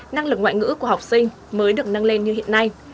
năng lực ngoại ngữ của học sinh mới được nâng lên như hiện nay